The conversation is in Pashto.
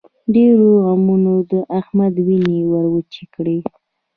ډېرو غمونو د احمد وينې ور وچې کړې.